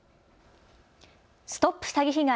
ＳＴＯＰ詐欺被害！